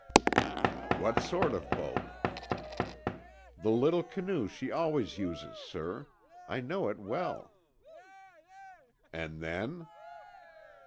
"What sort of boat?" "The little canoe she always uses, sir. I know it well." "And then?"